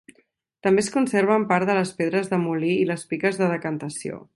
També es conserven part de les pedres de molí i les piques de decantació.